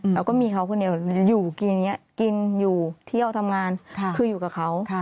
เราก็มีเขาคุณเดียวอยู่กินอยู่เที่ยวทำงานคืออยู่กับเขา